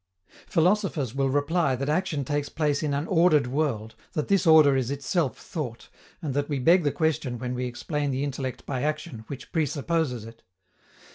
Philosophers will reply that action takes place in an ordered world, that this order is itself thought, and that we beg the question when we explain the intellect by action, which presupposes it.